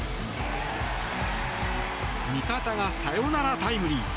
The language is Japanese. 味方がサヨナラタイムリー！